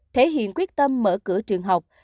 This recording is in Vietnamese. thể hiện quyết tâm mở cửa trường học